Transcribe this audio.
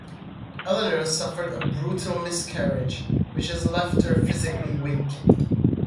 Eleanor suffered a brutal miscarriage, which has left her physically weak.